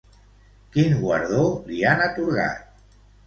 Quin guardó li han atorgat?